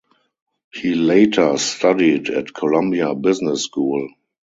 He later studied at Columbia Business School.